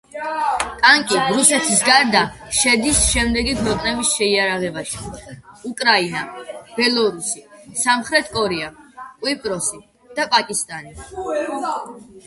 ტანკი რუსეთის გარდა შედის შემდეგი ქვეყნების შეიარაღებაში: უკრაინა, ბელორუსი, სამხრეთი კორეა, კვიპროსი და პაკისტანი.